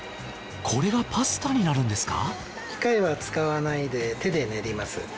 これがパスタになるんですか？